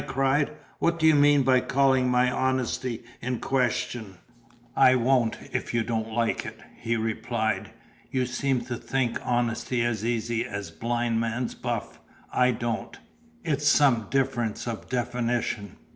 I cried. "What do you mean by calling my honesty in question?" "I won't, if you don't like it," he replied. "You seem to think honesty as easy as Blind Man's Buff: I don't. It's some difference of definition."